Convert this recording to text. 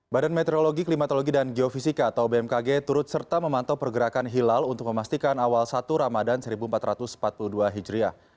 badan meteorologi klimatologi dan geofisika atau bmkg turut serta memantau pergerakan hilal untuk memastikan awal satu ramadan seribu empat ratus empat puluh dua hijriah